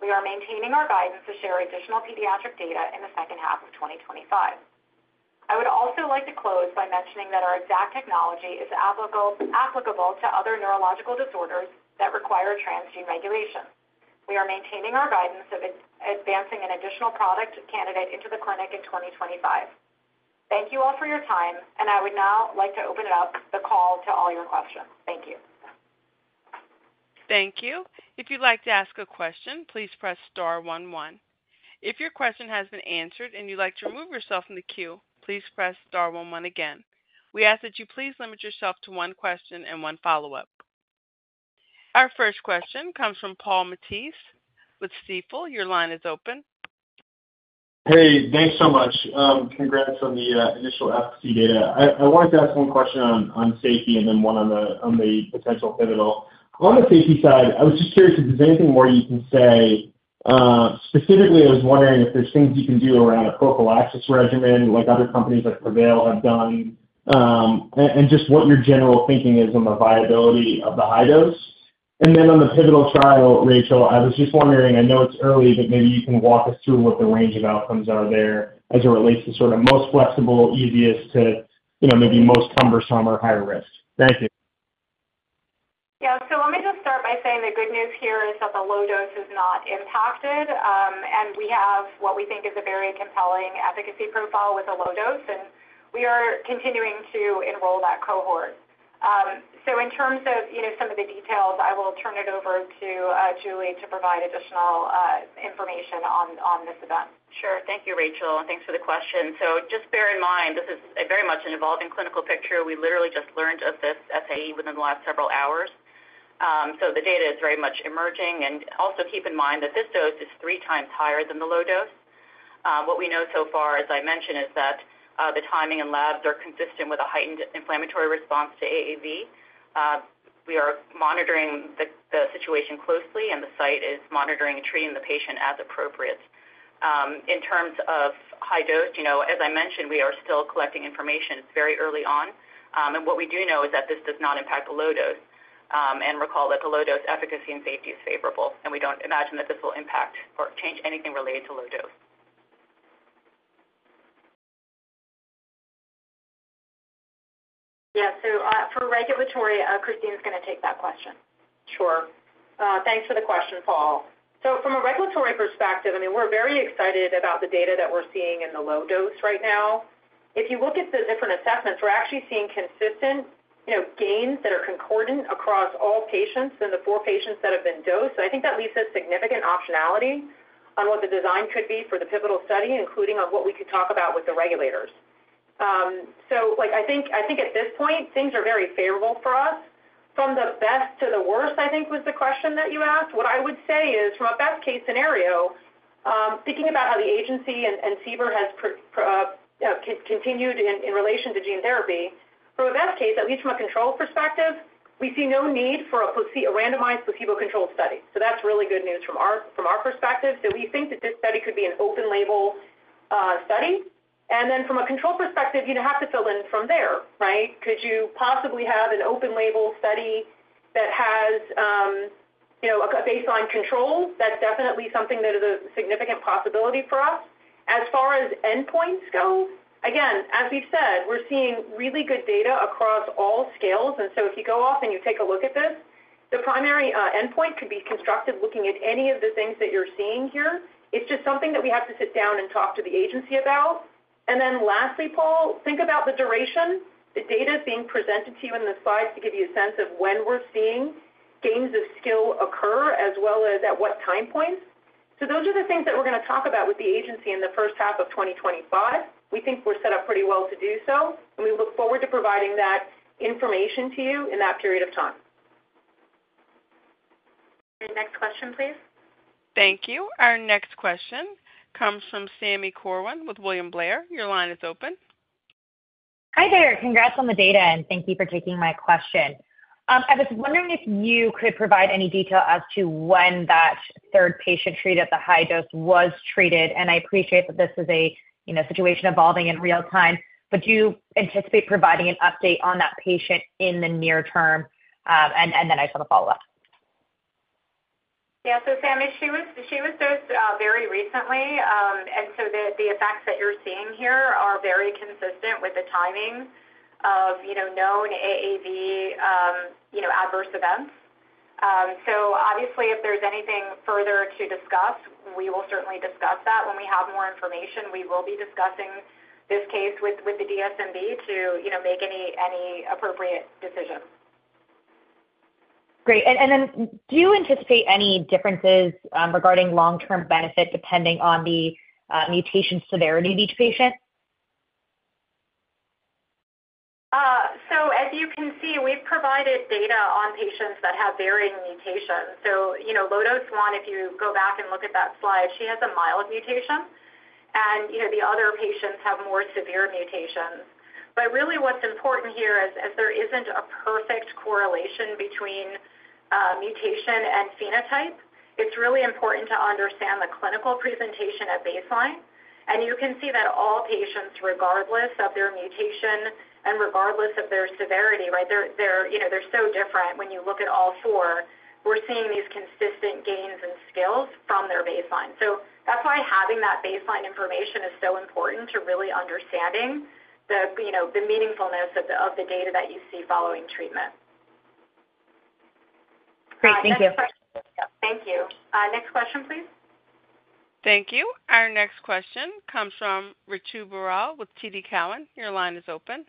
We are maintaining our guidance to share additional pediatric data in the second half of 2025. I would also like to close by mentioning that our EXACT technology is applicable to other neurological disorders that require transient regulation. We are maintaining our guidance of advancing an additional product candidate into the clinic in 2025. Thank you all for your time, and I would now like to open it up, the call to all your questions. Thank you. Thank you. If you'd like to ask a question, please press star one one. If your question has been answered and you'd like to remove yourself from the queue, please press star one one again. We ask that you please limit yourself to one question and one follow-up. Our first question comes from Paul Matteis with Stifel. Your line is open. Hey, thanks so much. Congrats on the initial efficacy data. I wanted to ask one question on safety and then one on the potential pivotal. On the safety side, I was just curious if there's anything more you can say. Specifically, I was wondering if there's things you can do around a prophylaxis regimen like other companies like Prevail have done and just what your general thinking is on the viability of the high dose. And then on the pivotal trial, Rachel, I was just wondering, I know it's early, but maybe you can walk us through what the range of outcomes are there as it relates to sort of most flexible, easiest to maybe most cumbersome or higher risk. Thank you. Yeah, so let me just start by saying the good news here is that the low-dose is not impacted, and we have what we think is a very compelling efficacy profile with a low-dose, and we are continuing to enroll that cohort, so in terms of some of the details, I will turn it over to Julie to provide additional information on this event. Sure. Thank you, Rachel, and thanks for the question, so just bear in mind, this is very much an evolving clinical picture. We literally just learned of this SAE within the last several hours, so the data is very much emerging, and also keep in mind that this dose is three times higher than the low-dose. What we know so far, as I mentioned, is that the timing and labs are consistent with a heightened inflammatory response to AAV. We are monitoring the situation closely, and the site is monitoring and treating the patient as appropriate. In terms of high dose, as I mentioned, we are still collecting information. It's very early on, and what we do know is that this does not impact the low-dose. And recall that the low-dose efficacy and safety is favorable, and we don't imagine that this will impact or change anything related to low-dose. Yeah, so for regulatory, Christine's going to take that question. Sure. Thanks for the question, Paul. So from a regulatory perspective, I mean, we're very excited about the data that we're seeing in the low-dose right now. If you look at the different assessments, we're actually seeing consistent gains that are concordant across all patients in the four patients that have been dosed. So I think that leaves a significant optionality on what the design could be for the pivotal study, including on what we could talk about with the regulators. So I think at this point, things are very favorable for us. From the best to the worst, I think was the question that you asked. What I would say is, from a best-case scenario, thinking about how the agency and CBER have continued in relation to gene therapy, from a best case, at least from a control perspective, we see no need for a randomized placebo-controlled study. So that's really good news from our perspective. So we think that this study could be an open-label study. And then from a control perspective, you'd have to fill in from there, right? Could you possibly have an open-label study that has a baseline control? That's definitely something that is a significant possibility for us. As far as endpoints go, again, as we've said, we're seeing really good data across all scales, and so if you go off and you take a look at this, the primary endpoint could be constructed looking at any of the things that you're seeing here. It's just something that we have to sit down and talk to the agency about, and then lastly, Paul, think about the duration. The data is being presented to you in the slides to give you a sense of when we're seeing gains of skill occur, as well as at what time points, so those are the things that we're going to talk about with the agency in the first half of 2025. We think we're set up pretty well to do so, and we look forward to providing that information to you in that period of time. Next question, please. Thank you. Our next question comes from Sami Corwin with William Blair. Your line is open. Hi there. Congrats on the data, and thank you for taking my question. I was wondering if you could provide any detail as to when that third patient treated at the high dose was treated. And I appreciate that this is a situation evolving in real time, but do you anticipate providing an update on that patient in the near term? And then I just want to follow up. Yeah, so Sami, she was dosed very recently, and so the effects that you're seeing here are very consistent with the timing of known AAV adverse events. So obviously, if there's anything further to discuss, we will certainly discuss that. When we have more information, we will be discussing this case with the DSMB to make any appropriate decision. Great. And then do you anticipate any differences regarding long-term benefit depending on the mutation severity of each patient? So as you can see, we've provided data on patients that have varying mutations. So low-dose one, if you go back and look at that slide, she has a mild mutation, and the other patients have more severe mutations. But really what's important here is there isn't a perfect correlation between mutation and phenotype. It's really important to understand the clinical presentation at baseline. And you can see that all patients, regardless of their mutation and regardless of their severity, right? They're so different when you look at all four. We're seeing these consistent gains in skills from their baseline. So that's why having that baseline information is so important to really understanding the meaningfulness of the data that you see following treatment. Great. Thank you. Thank you. Next question, please. Thank you. Our next question comes from Ritu Baral with TD Cowen. Your line is open.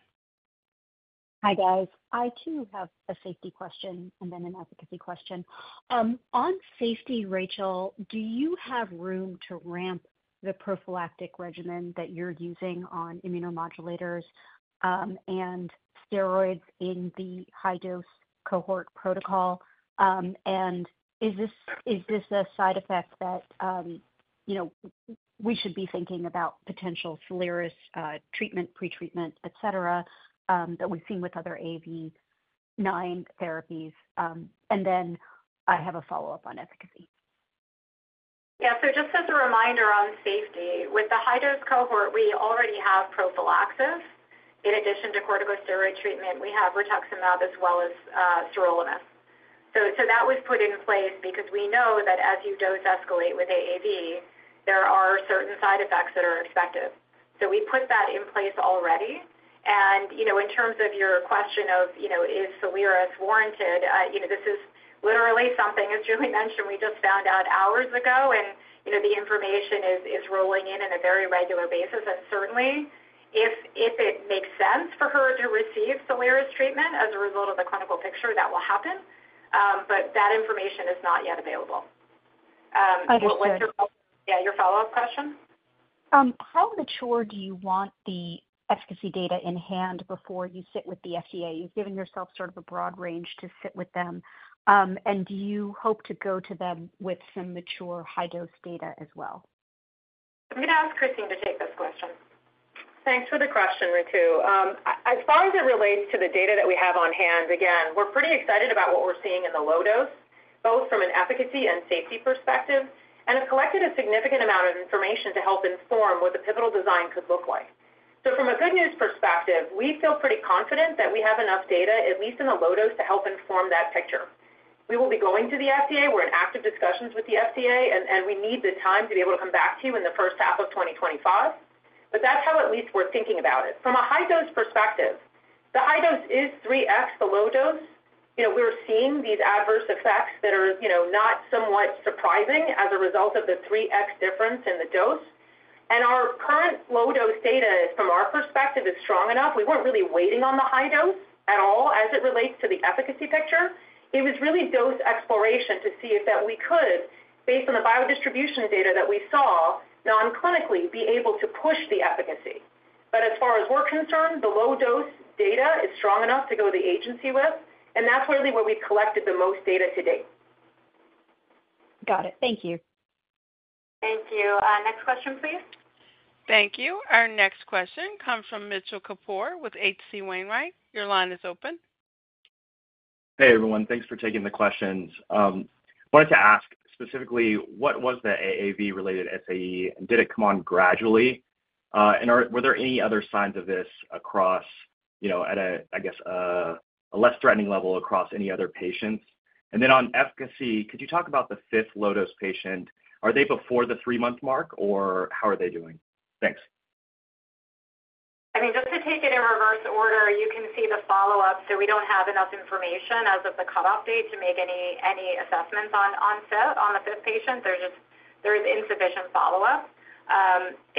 Hi guys. I, too, have a safety question and then an efficacy question. On safety, Rachel, do you have room to ramp the prophylactic regimen that you're using on immunomodulators and steroids in the high-dose cohort protocol? And is this a side effect that we should be thinking about potential Soliris treatment, pretreatment, etc., that we've seen with other AAV9 therapies? And then I have a follow-up on efficacy. Yeah, so just as a reminder on safety, with the high-dose cohort, we already have prophylaxis. In addition to corticosteroid treatment, we have rituximab as well as sirolimus. So that was put in place because we know that as you dose escalate with AAV, there are certain side effects that are expected. So we put that in place already. And in terms of your question of is Soliris warranted, this is literally something, as Julie mentioned, we just found out hours ago, and the information is rolling in on a very regular basis. And certainly, if it makes sense for her to receive Soliris treatment as a result of the clinical picture, that will happen. But that information is not yet available. Yeah, your follow-up question? How mature do you want the efficacy data in hand before you sit with the FDA? You've given yourself sort of a broad range to sit with them. Do you hope to go to them with some mature high-dose data as well? I'm going to ask Christine to take this question. Thanks for the question, Ritu. As far as it relates to the data that we have on hand, again, we're pretty excited about what we're seeing in the low-dose, both from an efficacy and safety perspective. I've collected a significant amount of information to help inform what the pivotal design could look like. From a good news perspective, we feel pretty confident that we have enough data, at least in the low-dose, to help inform that picture. We will be going to the FDA. We're in active discussions with the FDA, and we need the time to be able to come back to you in the first half of 2025. That's how at least we're thinking about it. From a high-dose perspective, the high dose is 3x the low-dose. We're seeing these adverse effects that are not somewhat surprising as a result of the 3x difference in the dose. And our current low-dose data, from our perspective, is strong enough. We weren't really waiting on the high dose at all as it relates to the efficacy picture. It was really dose exploration to see if that we could, based on the biodistribution data that we saw non-clinically, be able to push the efficacy. But as far as we're concerned, the low-dose data is strong enough to go to the agency with. And that's really where we've collected the most data to date. Got it. Thank you. Thank you. Next question, please. Thank you. Our next question comes from Mitchell Kapoor with H.C. Wainwright. Your line is open. Hey, everyone. Thanks for taking the questions. I wanted to ask specifically, what was the AAV-related SAE, and did it come on gradually? And were there any other signs of this across, I guess, a less threatening level across any other patients? And then on efficacy, could you talk about the fifth low-dose patient? Are they before the three-month mark, or how are they doing? Thanks. I mean, just to take it in reverse order, you can see the follow-up. So we don't have enough information as of the cutoff date to make any assessments on the fifth patient. There's insufficient follow-up.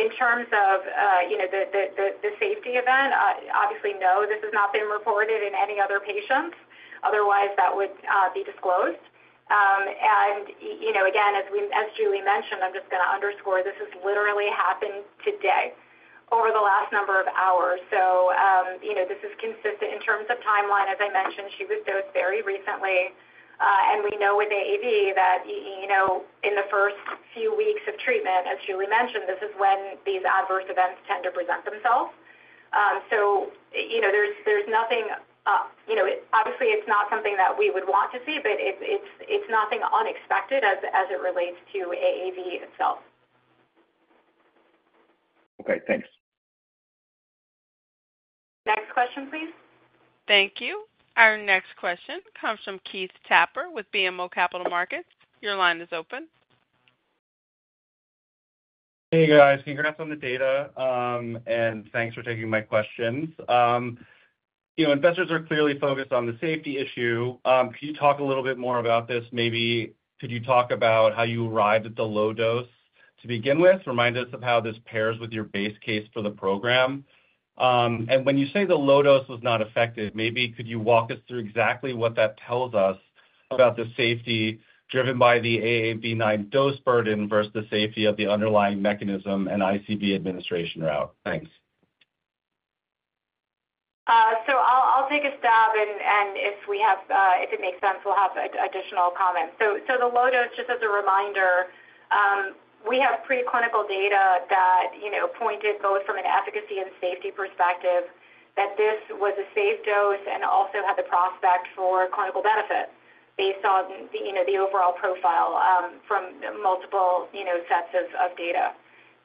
In terms of the safety event, obviously, no, this has not been reported in any other patients. Otherwise, that would be disclosed. And again, as Julie mentioned, I'm just going to underscore this has literally happened today over the last number of hours. So this is consistent in terms of timeline. As I mentioned, she was dosed very recently. And we know with AAV that in the first few weeks of treatment, as Julie mentioned, this is when these adverse events tend to present themselves. So there's nothing obviously, it's not something that we would want to see, but it's nothing unexpected as it relates to AAV itself. Okay. Thanks. Next question, please. Thank you. Our next question comes from Keith Tapper with BMO Capital Markets. Your line is open. Hey, guys. Congrats on the data, and thanks for taking my questions. Investors are clearly focused on the safety issue. Could you talk a little bit more about this? Maybe could you talk about how you arrived at the low-dose to begin with? Remind us of how this pairs with your base case for the program. And when you say the low-dose was not effective, maybe could you walk us through exactly what that tells us about the safety driven by the AAV9 dose burden versus the safety of the underlying mechanism and ICV administration route? Thanks. So I'll take a stab, and if it makes sense, we'll have additional comments. So the low-dose, just as a reminder, we have preclinical data that pointed both from an efficacy and safety perspective that this was a safe dose and also had the prospect for clinical benefit based on the overall profile from multiple sets of data.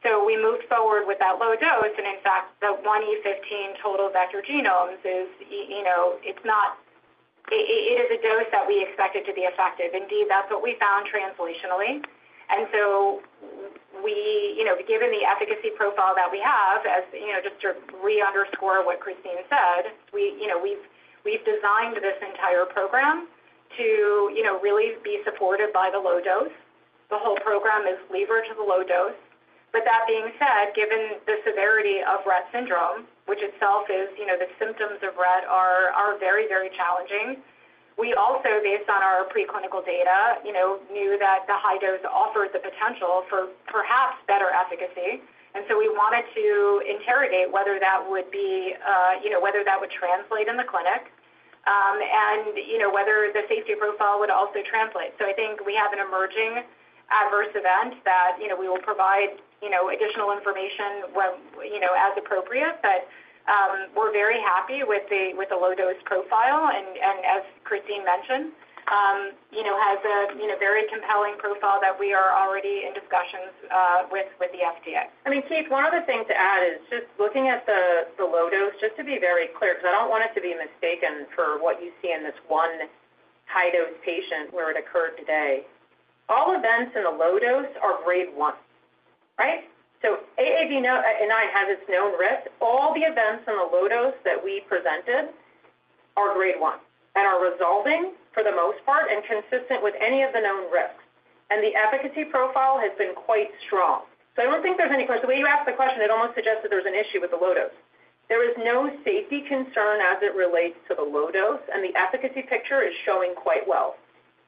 So we moved forward with that low-dose. And in fact, the 1E15 total vector genomes, it is a dose that we expected to be effective. Indeed, that's what we found translationally. And so given the efficacy profile that we have, just to re-underscore what Christine said, we've designed this entire program to really be supported by the low-dose. The whole program is leveraged to the low-dose. But that being said, given the severity of Rett syndrome, which itself is the symptoms of Rett are very, very challenging, we also, based on our preclinical data, knew that the high dose offered the potential for perhaps better efficacy. And so we wanted to interrogate whether that would translate in the clinic and whether the safety profile would also translate. So I think we have an emerging adverse event that we will provide additional information as appropriate. But we're very happy with the low-dose profile. And as Christine mentioned, has a very compelling profile that we are already in discussions with the FDA. I mean, Keith, one other thing to add is just looking at the low-dose, just to be very clear, because I don't want it to be mistaken for what you see in this one high-dose patient where it occurred today. All events in the low-dose are grade 1, right? So AAV9 has its known risks. All the events in the low-dose that we presented are grade 1 and are resolving for the most part and consistent with any of the known risks. And the efficacy profile has been quite strong. So I don't think there's any question. The way you asked the question, it almost suggested there was an issue with the low-dose. There is no safety concern as it relates to the low-dose, and the efficacy picture is showing quite well.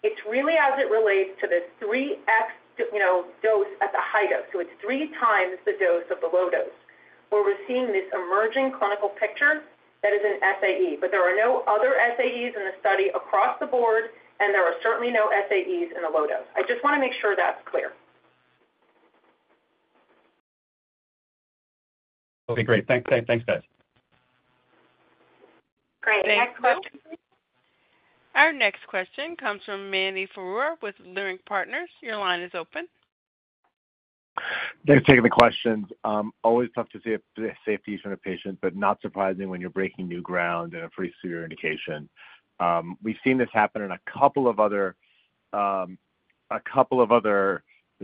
It's really as it relates to the 3x dose at the high dose. So it's three times the dose of the low-dose where we're seeing this emerging clinical picture that is an SAE. But there are no other SAEs in the study across the board, and there are certainly no SAEs in the low-dose. I just want to make sure that's clear. Okay. Great. Thanks, guys. Great. Next question. Our next question comes from Mani Foroohar with Leerink Partners. Your line is open. Thanks for taking the questions. Always tough to see an SAE from the patient, but not surprising when you're breaking new ground and a pretty severe indication. We've seen this happen in a couple of other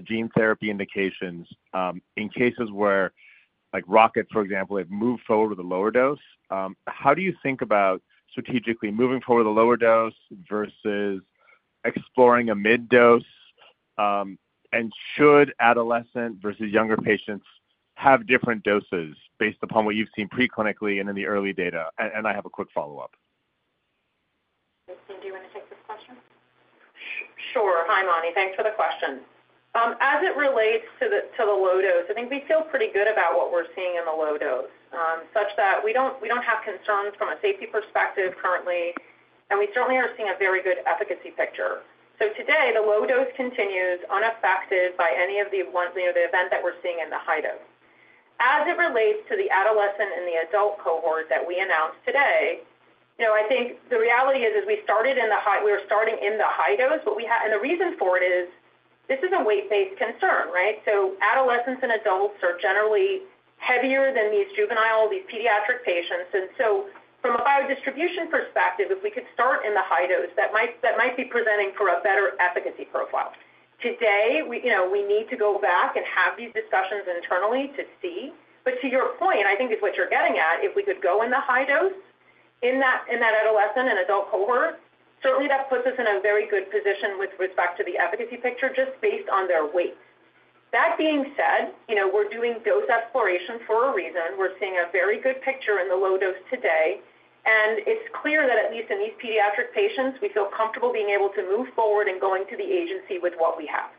gene therapy indications in cases where Rocket, for example, have moved forward with the lower dose. How do you think about strategically moving forward with the lower dose versus exploring a mid-dose? And should adolescent versus younger patients have different doses based upon what you've seen preclinically and in the early data? And I have a quick follow-up. Christine, do you want to take this question? Sure. Hi, Mani. Thanks for the question. As it relates to the low-dose, I think we feel pretty good about what we're seeing in the low-dose, such that we don't have concerns from a safety perspective currently, and we certainly are seeing a very good efficacy picture. So today, the low-dose continues unaffected by any of the events that we're seeing in the high dose. As it relates to the adolescent and the adult cohort that we announced today, I think the reality is we were starting in the high dose. And the reason for it is this is a weight-based concern, right? So adolescents and adults are generally heavier than these juvenile, pediatric patients. And so from a biodistribution perspective, if we could start in the high dose, that might be presenting for a better efficacy profile. Today, we need to go back and have these discussions internally to see. But to your point, I think is what you're getting at, if we could go in the high dose in that adolescent and adult cohort, certainly that puts us in a very good position with respect to the efficacy picture just based on their weight. That being said, we're doing dose exploration for a reason. We're seeing a very good picture in the low-dose today. And it's clear that at least in these pediatric patients, we feel comfortable being able to move forward and going to the agency with what we have.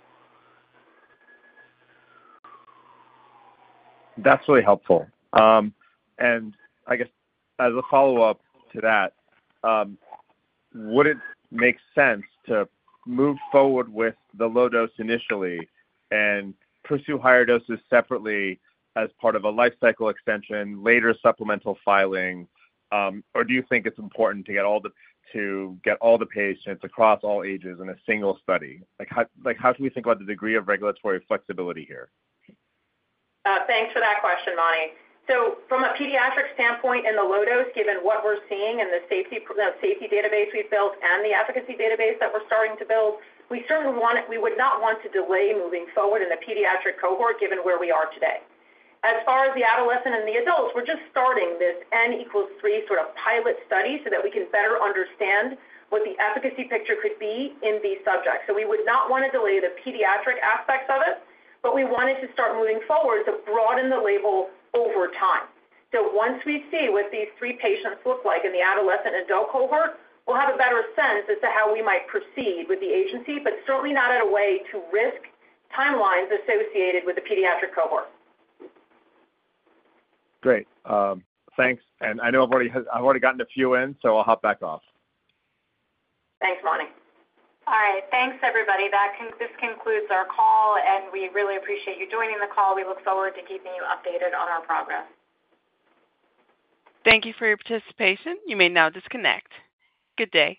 That's really helpful. And I guess as a follow-up to that, would it make sense to move forward with the low-dose initially and pursue higher doses separately as part of a life cycle extension, later supplemental filing? Or do you think it's important to get all the patients across all ages in a single study? How should we think about the degree of regulatory flexibility here? Thanks for that question, Mani. So from a pediatric standpoint in the low-dose, given what we're seeing in the safety database we've built and the efficacy database that we're starting to build, we certainly would not want to delay moving forward in the pediatric cohort given where we are today. As far as the adolescent and the adults, we're just starting this n = 3 sort of pilot study so that we can better understand what the efficacy picture could be in these subjects. So we would not want to delay the pediatric aspects of it, but we wanted to start moving forward to broaden the label over time. So once we see what these three patients look like in the adolescent and adult cohort, we'll have a better sense as to how we might proceed with the agency, but certainly not in a way to risk timelines associated with the pediatric cohort. Great. Thanks. And I know I've already gotten a few in, so I'll hop back off. Thanks, Mani. All right. Thanks, everybody. This concludes our call, and we really appreciate you joining the call. We look forward to keeping you updated on our progress. Thank you for your participation. You may now disconnect. Good day.